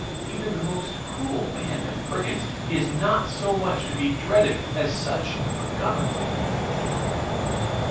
Even the most cruel band of brigands is not so much to be dreaded as such a government.